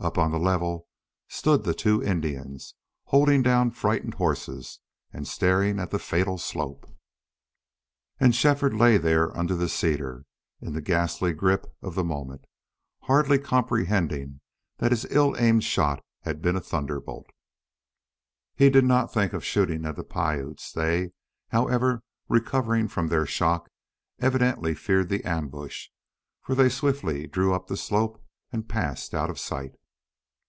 Up on the level stood the two Indians, holding down frightened horses, and staring at the fatal slope. And Shefford lay there under the cedar, in the ghastly grip of the moment, hardly comprehending that his ill aimed shot had been a thunderbolt. He did not think of shooting at the Piutes; they, however, recovering from their shock, evidently feared the ambush, for they swiftly drew up the slope and passed out of sight.